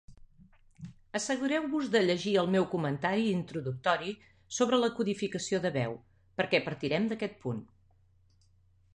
Assegureu-vos de llegir el meu comentari introductori sobre la codificació de veu, perquè partirem d'aquest punt.